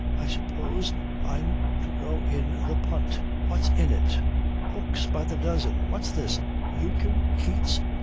I suppose I'm to go in the punt. What's in it? Books by the dozen. What's this? Eucken? Keats?